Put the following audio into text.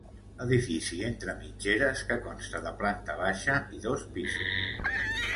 Edifici entre mitgeres que consta de planta baixa i dos pisos.